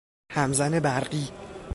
همزن برقی